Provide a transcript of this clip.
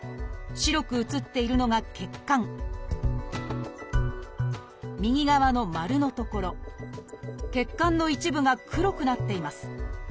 白く写っているのが血管右側の丸の所血管の一部が黒くなっています。